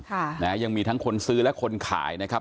ค่ะนะฮะยังมีทั้งคนซื้อและคนขายนะครับ